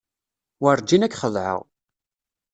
Werǧin ad k-xedɛeɣ.